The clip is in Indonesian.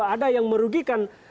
ada yang merugikan